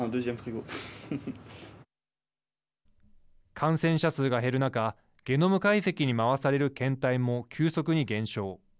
感染者数が減る中ゲノム解析に回される検体も急速に減少。